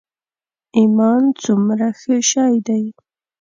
ایمان څومره ښه شی دی.